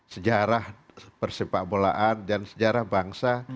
sejarah persepak bolaan dan sejarah bangsa